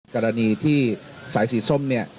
กรณีที่สายสีส้มเนี่ย